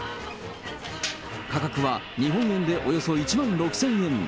価格は日本円でおよそ１万６０００円。